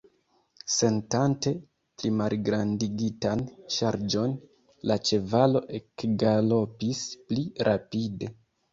Sentante plimalgrandigitan ŝarĝon, la ĉevalo ekgalopis pli rapide.